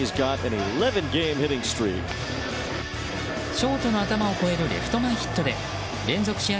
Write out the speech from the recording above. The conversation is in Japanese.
ショートの頭を越えるレフト前ヒットで連続試合